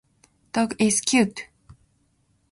Dog is cute.